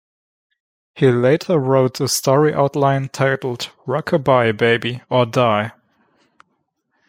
He later wrote a story outline titled Rock-A-Bye Baby, or Die!